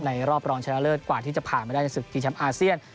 รอบรองชนะเลิศกว่าที่จะผ่านมาได้ในศึกชิงแชมป์อาเซียน